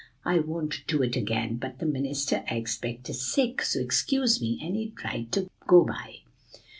'I won't do it again; but the minister, I expect, is sick, so excuse me;' and he tried to go by.